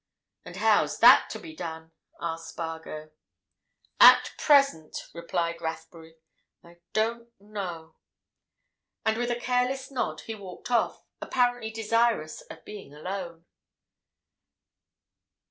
"And how's that to be done?" asked Spargo. "At present," replied Rathbury, "I don't know." And with a careless nod, he walked off, apparently desirous of being alone.